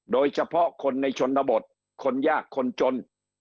โดยเฉพาะคนในชนบทคนยากคนจน